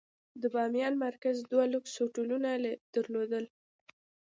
د بامیان مرکز دوه لوکس هوټلونه درلودل.